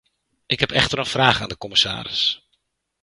Ik heb echter een vraag aan de commissaris.